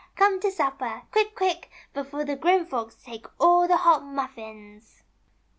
Come to supper, quick, quick, before the grown folks take all the hot muffins."